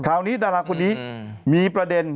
คราวนี้ดาราคนนี้มีประเด็น